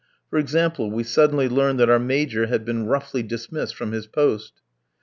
For example, we suddenly learn that our Major had been roughly dismissed from his post.